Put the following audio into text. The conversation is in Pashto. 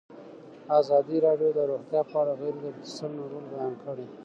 ازادي راډیو د روغتیا په اړه د غیر دولتي سازمانونو رول بیان کړی.